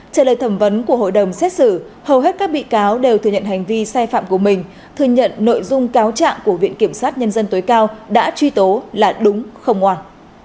trả lời thẩm vấn của hội đồng xét xử hầu hết các bị cáo đều thừa nhận hành vi sai phạm của mình thừa nhận nội dung cáo trạng của viện kiểm sát nhân dân tối cao đã truy tố là đúng không oan